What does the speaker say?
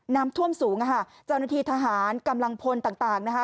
น้ำท่วมสูงค่ะเจ้าหน้าที่ทหารกำลังพลต่างต่างนะคะ